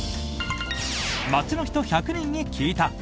街の人１００人に聞いた！